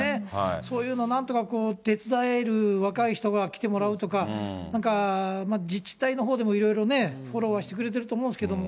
そういうの、なんとか手伝える若い人に来てもらうとか、なんか、自治体のほうでもいろいろね、フォローはしてくれてるとは思うんですけれども。